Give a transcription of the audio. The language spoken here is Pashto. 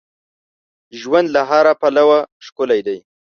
ژوند له هر پلوه ښکلی دی.